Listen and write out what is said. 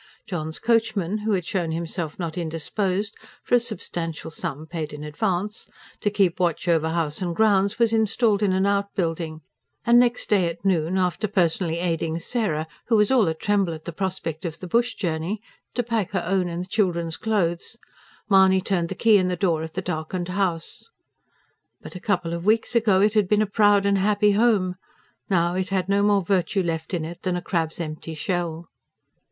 John's coachman, who had shown himself not indisposed for a substantial sum, paid in advance to keep watch over house and grounds, was installed in an outbuilding, and next day at noon, after personally aiding Sarah, who was all a tremble at the prospect of the bush journey, to pack her own and the children's clothes, Mahony turned the key in the door of the darkened house. But a couple of weeks ago it had been a proud and happy home. Now it had no more virtue left in it than a crab's empty shell.